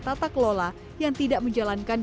tata kelola yang tidak menjalan diri